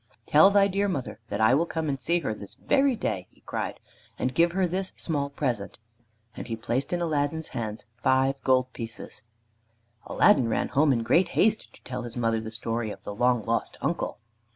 "Tell thy dear mother that I will come and see her this very day," he cried, "and give her this small present." And he placed in Aladdin's hands five gold pieces. Aladdin ran home in great haste to tell his mother the story of the long lost uncle.